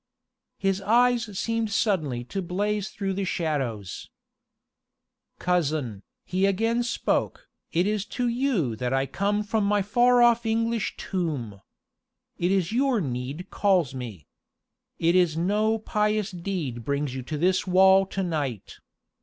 His eyes seemed suddenly to blaze through the shadows. "Cousin," he again spoke, "it is to you that I come from my far off English tomb. It was your need called me. It is no pious deed brings you to this wall to night.